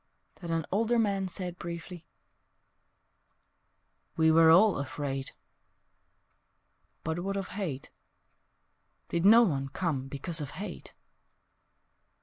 Then an older man said briefly, "We were all afraid ........ But what of hate? Did no one come because of hate?"